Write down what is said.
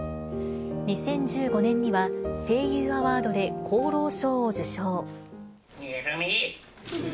２０１５年には、声優アワードで功労賞を受賞。